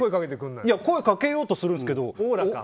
声掛けようとするんですけど。